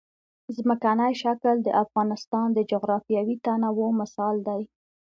ځمکنی شکل د افغانستان د جغرافیوي تنوع مثال دی.